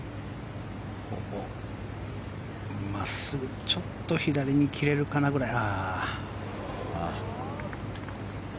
真っすぐちょっと左に切れるかなぐらい。